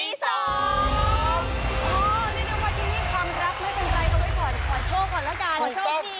อ๋อไม่รู้ว่าที่นี่ความรักเหมือนกันใจเขาเลยขอโชคก่อนแล้วกัน